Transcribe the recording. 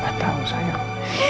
gak tau sayang